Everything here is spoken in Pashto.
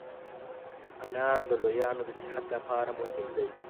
انار د لویانو د صحت لپاره مهم دی.